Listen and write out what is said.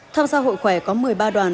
tham gia hội khỏe có một mươi ba đoàn